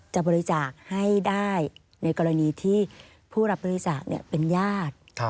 จะบริจาคให้ได้ในกรณีที่ผู้รับบริจาคเป็นญาติ